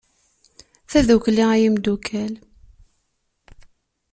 Tadukli, ay imdukal!